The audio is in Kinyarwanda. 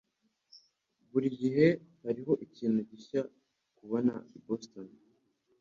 Burigihe hariho ikintu gishya kubona i Boston.